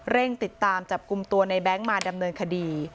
ติดตามจับกลุ่มตัวในแบงค์มาดำเนินคดี